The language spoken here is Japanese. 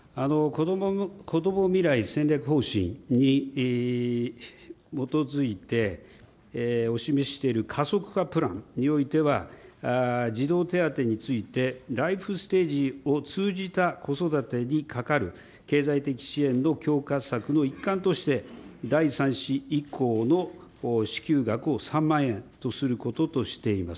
こども未来戦略方針に基づいて、お示ししている加速化プランにおいては、児童手当についてライフステージを通じた子育てにかかる経済的支援の強化策の一環として、第３子以降の支給額を３万円とすることとしています。